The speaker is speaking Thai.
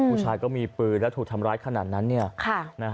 ผู้ชายก็มีปืนแล้วถูกทำร้ายขนาดนั้น